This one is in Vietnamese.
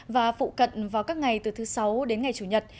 và phụ cận vào các ngày từ thứ sáu đến ngày chủ nhật